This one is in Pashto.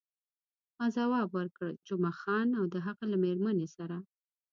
ما ځواب ورکړ، جمعه خان او د هغه له میرمنې سره.